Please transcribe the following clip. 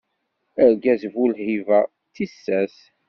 Argaz bu lhiba d tissas.